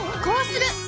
こうする！